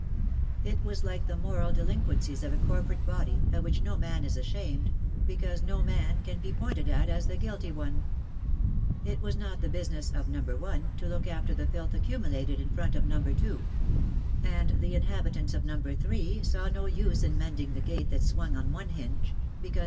It was like the moral delinquencies of a corporate body, of which no man is ashamed, because no man can be pointed at as the guilty one. It was not the business of No. 1 to look after the filth accumulated in front of No. 2 ; and the inhabitants of No. 3, saw no use in mending the gate that swung on one hinge, because No.